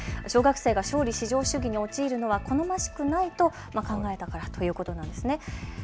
小学生が勝利至上主義に陥るのは好ましくないと考えたということなんです。